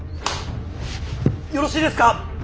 よろしいですか。